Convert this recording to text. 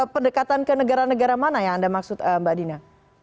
pendekatan ke negara negara mana yang anda maksud mbak dina